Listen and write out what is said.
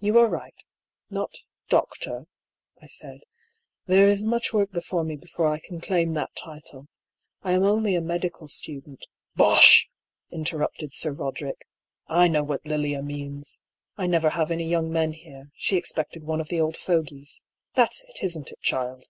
"You are right— not Doctor^'' I said. "There is much work before me before I can claim that title. I am only a medical student —"" Bosh !" interrupted Sir Koderick. " I know what Lilia means. I never have any young men here ; she expected one of the old fogies. That's it, isn't it, child